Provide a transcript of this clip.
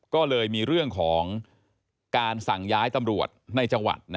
ก็เลยมีเรื่องของการสั่งย้ายตำรวจในจังหวัด